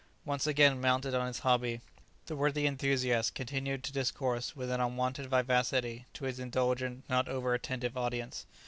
'" Once again mounted on his hobby, the worthy enthusiast continued to discourse with an unwonted vivacity to his indulgent ii* not over attentive audience.